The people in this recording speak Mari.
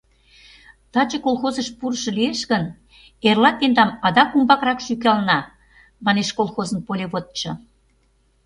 Таче колхозыш пурышо лиеш гын, эрла тендам адак умбакырак шӱкалына, — манеш колхозын полеводшо.